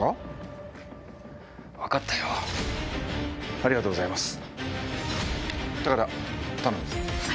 ありがとうございます。